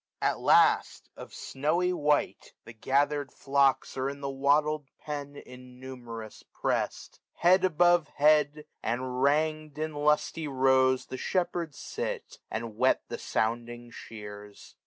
At last, of snowy white, the gathered flocks Are in the wattled pen innumerous pressM, 395 Head above head : and, rangM in lusty rows The shepherds sit, and whet the sounding shears.